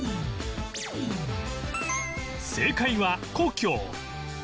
正解は故郷